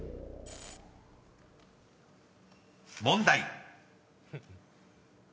［問題］